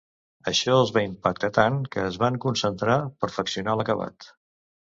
Això els va impactar tant que es van concentrar perfeccionar l'acabat.